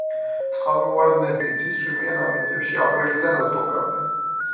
წყალმოვარდნები იცის წვიმიან ამინდებში, აპრილიდან ოქტომბრამდე.